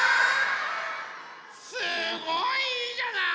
すごいいいじゃない！